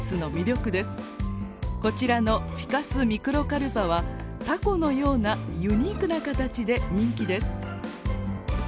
こちらの「フィカス・ミクロカルパ」はタコのようなユニークな形で人気です。